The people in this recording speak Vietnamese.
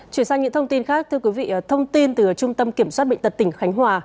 chuyển sang những thông tin khác thưa quý vị thông tin từ trung tâm kiểm soát bệnh tật tỉnh khánh hòa